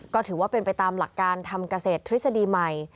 ก็ถือว่าเป็นไปตามหลักการทำเกษตรทฤษฎีใหม่